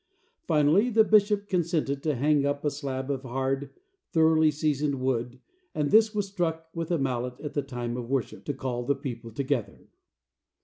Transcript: Finally the bishop consented to hang up a slab of hard, thoroughly seasoned wood, and this was struck with a mallet at the time of worship, to call the people together.